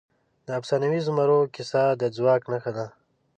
د افسانوي زمرو کیسه د ځواک نښه ده.